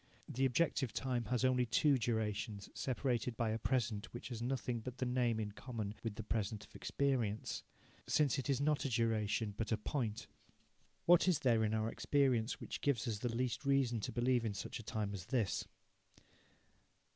The objective time has only two durations, separated by a present which has nothing but the name in common with the present of experience, since it is not a duration but a point. What is there in our experience which gives us the least reason to believe in such a time as this?